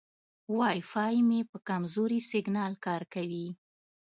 وای فای مې په کمزوري سیګنال کار کوي.